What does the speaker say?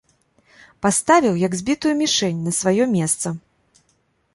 Паставіў, як збітую мішэнь, на сваё месца.